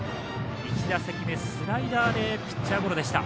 １打席目、スライダーでピッチャーゴロでした。